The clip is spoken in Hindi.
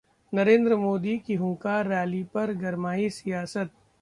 नरेन्द्र मोदी की 'हुंकार रैली' पर गरमाई सियासत